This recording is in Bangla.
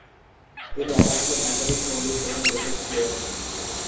তিনি একাধারে ভাষাবিদ, পণ্ডিত এবং লেখক ছিলেন।